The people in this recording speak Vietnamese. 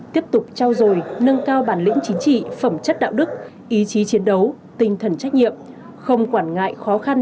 tiếp tục trao dồi nâng cao bản lĩnh chính trị phẩm chất đạo đức ý chí chiến đấu tinh thần trách nhiệm không quản ngại khó khăn